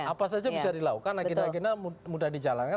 apa saja bisa dilakukan agenda agenda mudah dijalankan